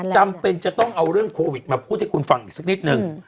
จำเป็นจะต้องเอาเรื่องโควิดมาพูดให้คุณฟังอีกสักนิดนึง